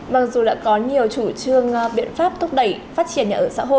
mặc dù đã có nhiều chủ trương biện pháp thúc đẩy phát triển nhà ở xã hội